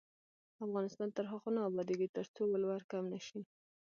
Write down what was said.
افغانستان تر هغو نه ابادیږي، ترڅو ولور کم نشي.